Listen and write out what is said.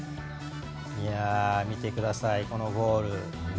見てください、このゴール。